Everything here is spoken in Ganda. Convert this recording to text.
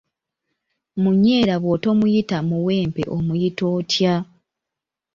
Munyeera bw'otomuyita muwempe omuyita otya?